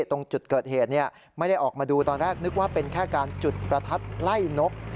ตรงจุดเกิดเหตุไม่ได้ออกมาดูตอนแรกนึกว่าเป็นแค่การจุดประทัดไล่นก